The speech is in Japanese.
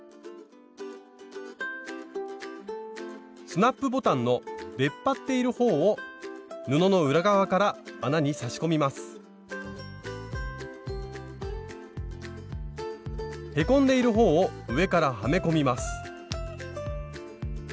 スナップボタンの出っ張っているほうを布の裏側から穴に差し込みますへこんでいるほうを上からはめ込みます